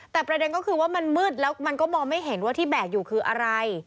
แต่ประเด็นก็คือว่ามันมืดแล้วมันก็มองไม่เห็นว่าที่แบกอยู่คืออะไร